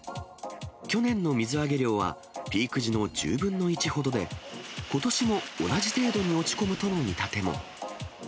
去年の水揚げ量は、ピーク時の１０分の１ほどで、ことしも同じ程度に落ち込むとの見立ても。